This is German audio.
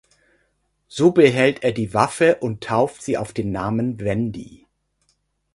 So behält er die Waffe und tauft sie auf den Namen Wendy.